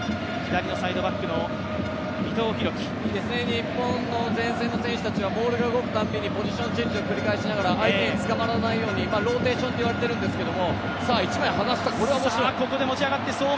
日本の前線の選手はボールが動くたびにポジションチェンジを繰り返しながら相手につかまらないようにローテーションといわれてるんですけども。